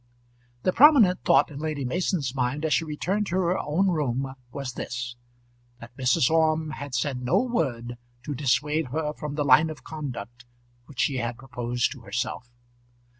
The prominent thought in Lady Mason's mind as she returned to her own room was this: that Mrs. Orme had said no word to dissuade her from the line of conduct which she had proposed to herself.